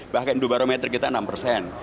bahkan indobarometer kita enam persen